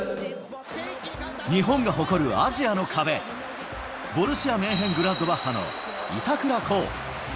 日本が誇るアジアの壁、ボルシア・メンヘングラッドバッハの板倉滉。